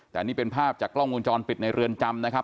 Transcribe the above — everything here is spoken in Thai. แต่นี่เป็นภาพจากกล้องวงจรปิดในเรือนจำนะครับ